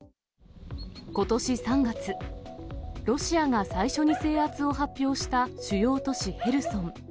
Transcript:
ことし３月、ロシアが最初に制圧を発表した主要都市ヘルソン。